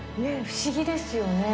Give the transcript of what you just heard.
不思議ですよね。